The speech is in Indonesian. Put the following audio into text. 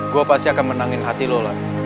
gue pasti akan menangin hati lola